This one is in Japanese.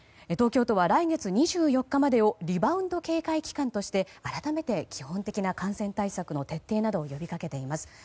東京都は来月２４日までをリバウンド警戒期間として改めて基本的な感染対策の徹底などを呼び掛けています。